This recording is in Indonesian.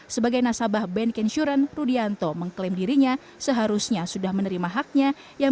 sebagai nasabah bank insuran rudianto mengklaim dirinya seharusnya sudah menerima haknya yang